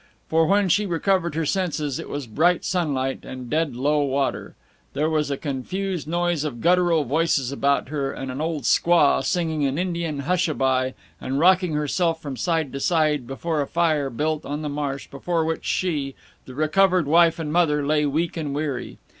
For when she recovered her senses it was bright sunlight, and dead low water. There was a confused noise of guttural voices about her, and an old squaw, singing an Indian "hushaby," and rocking herself from side to side before a fire built on the marsh, before which she, the recovered wife and mother, lay weak and weary.